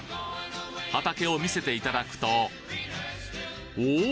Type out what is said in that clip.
畑を見せていただくとおお！